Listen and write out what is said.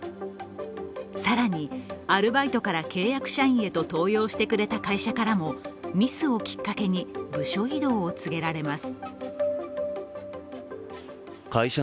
更に、アルバイトから契約社員へと登用してくれた会社からもミスをきっかけに部署異動を告げられます。